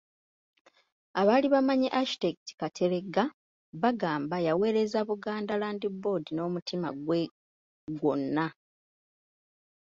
Abaali bamanyi Architect Kateregga bagamba yaweereza Buganda Land Board n'omutima gwe gwonna.